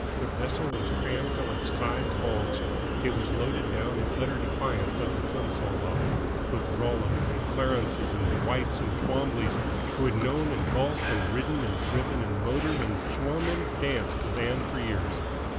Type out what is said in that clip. The vessel was crammed till its sides bulged, it was loaded down in utter defiance of the Plimsoll law, with Rollos and Clarences and Dwights and Twombleys who had known and golfed and ridden and driven and motored and swum and danced with Ann for years.